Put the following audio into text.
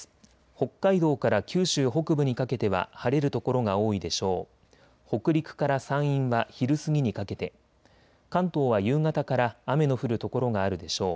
北海道から九州北部にかけては晴れる所が多いでしょう。